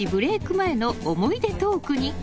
前の思い出トークに。